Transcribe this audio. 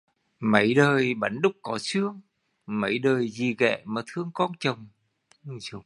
Mấy đời bánh đúc có xương, mấy đời dì ghẻ mà thương con chồng